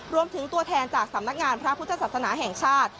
รวมถึงตัวแทนจากสำนักงานพระพุทธศาสนาแห่งชาติ